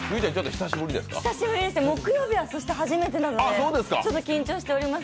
久しぶりです、木曜日は初めてなのでちょっと緊張しております。